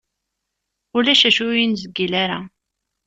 Ulac acu ur yi-nezgil ara.